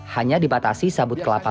hanya dipatasi sabut kelapar